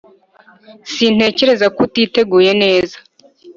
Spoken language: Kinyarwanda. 'sintekereza ko utiteguye neza.'